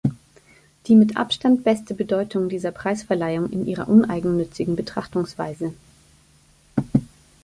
Die mit Abstand beste Bedeutung dieser Preisverleihung in ihrer uneigennützigen Betrachtungsweise.